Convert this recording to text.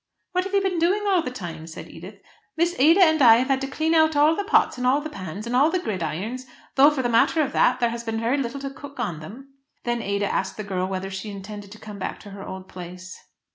"What have you been doing all the time?" said Edith. "Miss Ada and I have had to clean out all the pots and all the pans, and all the gridirons, though for the matter of that there has been very little to cook on them." Then Ada asked the girl whether she intended to come back to her old place.